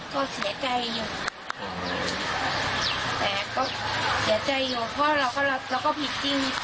ก็เสียใจอยู่แต่ก็เสียใจอยู่เพราะเราก็ผิดจริง